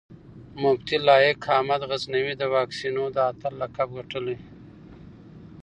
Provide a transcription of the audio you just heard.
مفتي لائق احمد غزنوي د واکسينو د اتل لقب ګټلی